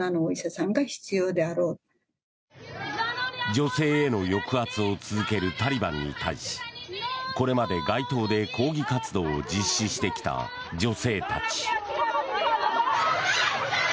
女性への抑圧を続けるタリバンに対しこれまで街頭で抗議活動を実施してきた女性たち。